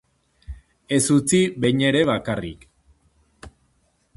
Ez utzi behin ere bakarrik.